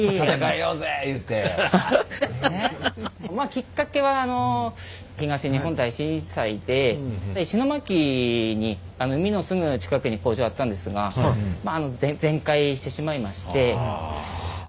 きっかけは東日本大震災で石巻に海のすぐ近くに工場あったんですが全壊してしまいまして。